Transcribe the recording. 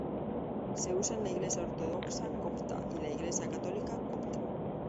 Se usa en la Iglesia Ortodoxa Copta y la Iglesia Católica Copta.